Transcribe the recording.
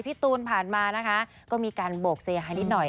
พี่ตูนผ่านมานะคะก็มีการโบกเสียหายนิดหน่อย